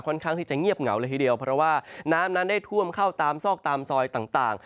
ข้างที่จะเงียบเหงาเลยทีเดียวเพราะว่าน้ำนั้นได้ท่วมเข้าตามซอกตามซอยต่าง